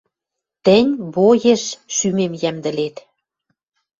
Тӹнь боеш шӱмем йӓмдӹлет.